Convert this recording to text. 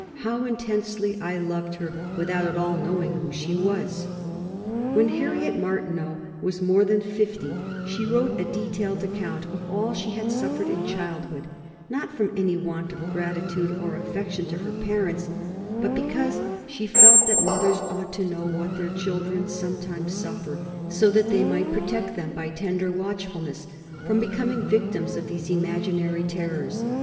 How intensely I loved her, without at all knowing who she was." When Harriet Martineau was more than fifty, she wrote a detailed account of all she had suffered in childhood, not from any want of gratitude or affection to her parents, but because she felt that mothers ought to know what their children sometimes suffer, so that they might protect them by tender watchfulness from becoming victims of these imaginary terrors.